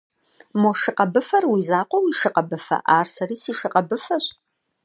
Мо шы къэбыфэр уи закъуэ уи шы къэбыфэ, ар сэри си шы къэбыфэщ.